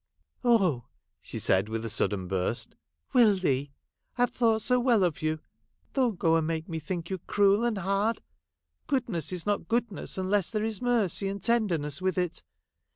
' Oh !' she said with a sudden burst, ' Will Leigh ! I have thought so well of you ; don't go and make me think you cruel and hard. Goodness is not goodness unless there is mercy and tenderness with it.